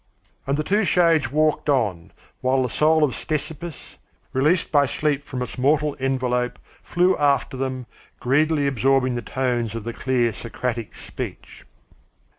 And the two shades walked on, while the soul of Ctesippus, released by sleep from its mortal envelop, flew after them, greedily absorbing the tones of the clear Socratic speech.